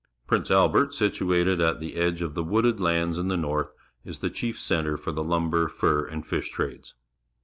Prince Albert, situated at the edge of the wooded lands in the North, is the chief centre for the lumber, fur, and fish trades.